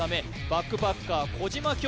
バックパッカー小島京